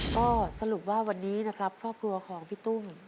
ก็สรุปว่าวันนี้นะครับครอบครัวของพี่ตุ้ม